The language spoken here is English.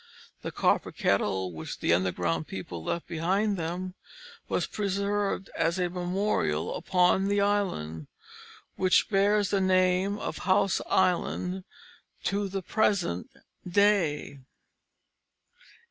The copper kettle, which the underground people left behind them, was preserved as a memorial upon the island, which bears the name of House Island to the present day.